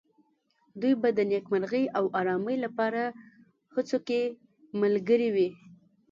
دوی به د نېکمرغۍ او آرامۍ لپاره هڅو کې ملګري وي.